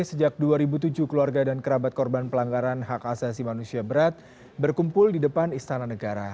sejak dua ribu tujuh keluarga dan kerabat korban pelanggaran hak asasi manusia berat berkumpul di depan istana negara